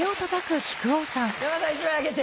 山田さん１枚あげて。